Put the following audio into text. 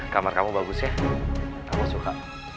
kamar kamu bagus ya kamu suka